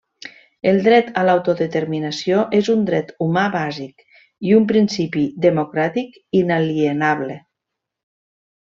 El dret a l'autodeterminació és un dret humà bàsic i un principi democràtic inalienable.